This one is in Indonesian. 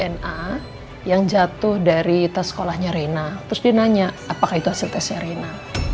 dna yang jatuh dari tas sekolahnya rena terus dinanya apakah itu hasil tesnya rena